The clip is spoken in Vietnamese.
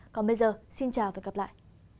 còn bây giờ xin chào và gặp lại